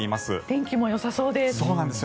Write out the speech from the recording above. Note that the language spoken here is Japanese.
天気もよさそうです。